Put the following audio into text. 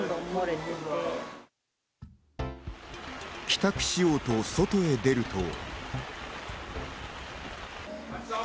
帰宅しようと外へ出ると。